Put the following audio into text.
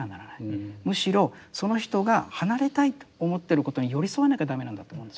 むしろその人が離れたいと思ってることに寄り添わなきゃ駄目なんだと思うんですよ。